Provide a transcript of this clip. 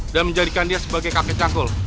dan menjadikan dia sebagai kakek canggul